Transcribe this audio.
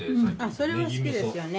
それは好きですよね。